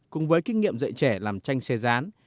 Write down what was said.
cùng với kinh nghiệm dạy trẻ làm tranh xe rán